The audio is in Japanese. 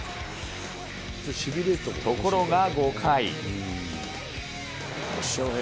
ところが５回。